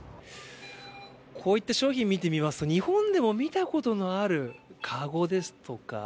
こういった商品を見てみますと日本でも見たことのあるかごですとか